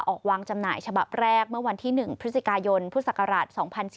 ออกวางจำหน่ายฉบับแรกเมื่อวันที่๑พฤศกาโยนพฤษภรรรถ๒๔๙๗